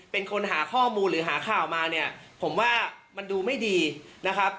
เป็นคนหาข้อมูลหรือหาข่าวมาเนี่ยผมว่ามันดูไม่ดีนะครับ